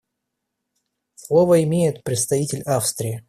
Слово имеет представитель Австрии.